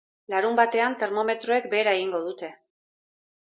Larunbatean termometroek behera egingo dute.